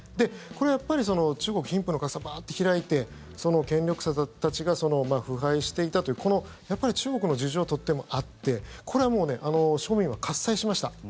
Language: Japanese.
これやっぱり、中国貧富の格差、バーッと開いて権力者たちが腐敗していたという中国の事情はとてもあってこれは庶民は喝采しました。